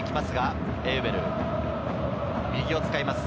右を使います。